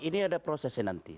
ini ada prosesnya nanti